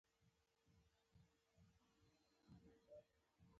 • د وخت پاسداري د پوهانو عادت دی.